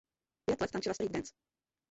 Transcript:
Pět let tančila street dance.